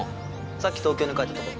さっき東京に帰ったとこ。